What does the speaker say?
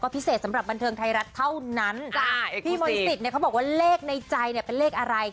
พี่มนต์สิทธิ์เขาบอกว่าเลขในใจเป็นเลขอะไร